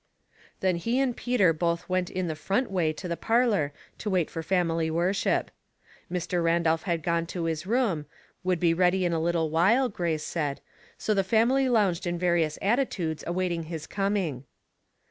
Then he and Peter both went in the front way to the parlor to wait for family worship. Mr. Randolph had gone to his room, would be ready in a little while, Grace said, so the family lounged in various attitudes awaiting his coming.